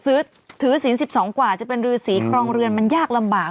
ถือศีล๑๒กว่าจะเป็นรือสีครองเรือนมันยากลำบาก